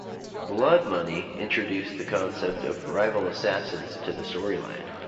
"Blood Money" introduced the concept of rival assassins to the storyline.